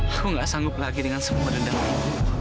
aku gak sanggup lagi dengan semua dendam ini